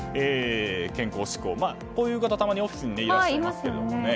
健康志向でこういう方、たまにオフィスにもいらっしゃいますよね。